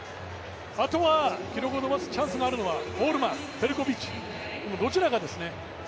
あとは記録を伸ばすチャンスがあるのはオールマンペルコビッチ、どちらかですね。